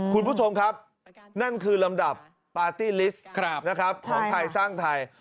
คุณผู้ชมครับนั่นคือลำดับปาร์ตี้ลิสต์ของไทยสร้างไทย